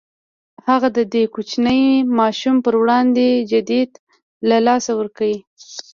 هغه د دې کوچنۍ ماشومې پر وړاندې جديت له لاسه ورکړ.